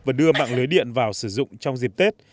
và đưa mạng lưới điện vào sử dụng trong dịp tết